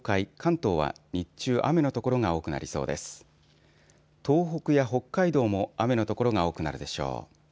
東北や北海道も雨の所が多くなるでしょう。